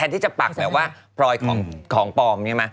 ที่จะปักแบบว่าพลอยของปลอมใช่ไหม